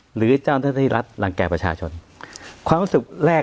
หรือเจ้าหน้าที่รัฐรังแก่ประชาชนความรู้สึกแรก